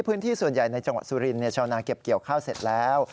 พื้นที่ส่วนใหญ่ในจังหวัดสุรินทร์ชาวนาเก็บเกี่ยวข้าวเสร็จแล้ว